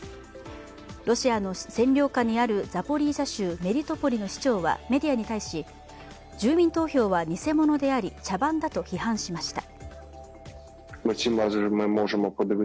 ロシアの占領下にあるザポリージャ州メリトポリの市長はメディアに対し、住民投票は偽物であり茶番だと批判しました。